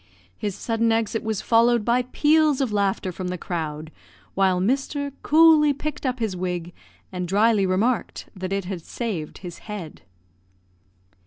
His sudden exit was followed by peals of laughter from the crowd, while Mr. coolly picked up his wig, and drily remarked that it had saved his head.